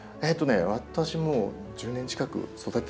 私も１０年近く育ててるかな。